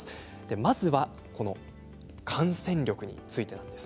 まずは感染力についてです。